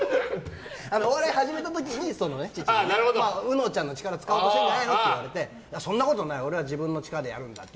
お笑いを始めた時に父親にうのちゃんの力を使おうとしてるんじゃないのって言われてそんなことない俺は自分の力でやるんだって。